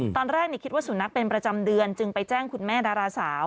ตอนแรกคิดว่าสุนัขเป็นประจำเดือนจึงไปแจ้งคุณแม่ดาราสาว